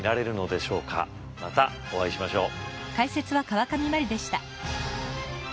またお会いしましょう。